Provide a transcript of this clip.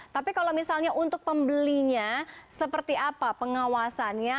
tapi kalau misalnya untuk pembelinya seperti apa pengawasannya